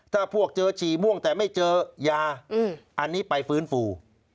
ถ้าพวกเจอฉี่ม่วงแต่ไม่เจอยาอันนี้ไปฟื้นฟู